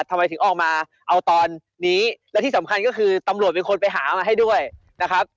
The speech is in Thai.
ทำไมถึงออกมาเอาตอนนี้และที่สำคัญก็คือตำรวจเป็นคนไปหามาให้ด้วยนะครับ